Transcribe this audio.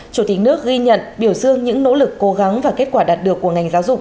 chủ tịch nước ghi nhận biểu dương những nỗ lực cố gắng và kết quả đạt được của ngành giáo dục